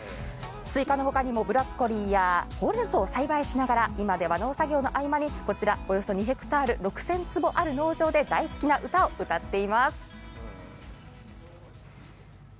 スイカのほかにもブロッコリーやホウレンソウを育てながら今では農作業の合間におよそ２００ヘクタール６０００坪あるここで大好きな歌を歌っています。